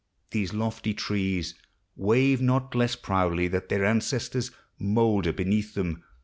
These lofty trees Wave not less proudly that their ancestors Moulder beneath them.